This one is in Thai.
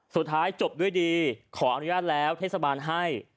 สุดท้ายจบด้วยดีขออนุญาตแล้วเทศบาลให้